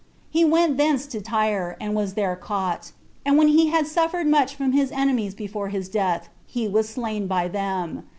He went thence to Tyre, and was there caught; and when he had suffered much from his enemies before his death, he was slain by them.